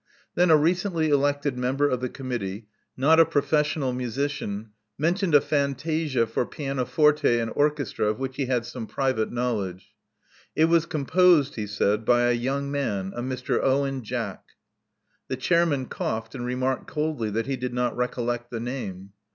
Then a recently elected member of the Committee, not a professional musician, mentioned a fantasia for pianoforte and orchestra of which he had some private knowledge. It was composed, he said, by a young man, a Mr. Owen Jack. The chairman coughed, and remarked coldly that he did not recollect the name.